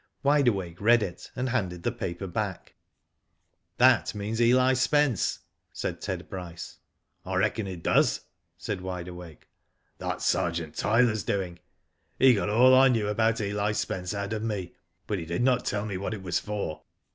Wide Awake read it, and handed the paper back, "That means Eli Spence," said Ted Bryce. ''I reckon it does," said Wide Awake. "That's Sergeant Tyler's doing. He got all I knew about Eli Spence out of me, but he did not tell me what it was for."